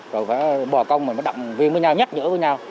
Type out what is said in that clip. rồi bò công mình mới đặng viên với nhau nhắc nhở với nhau